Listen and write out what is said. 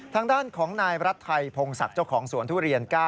ทางด้านของนายรัฐไทยพงศักดิ์เจ้าของสวนทุเรียน๙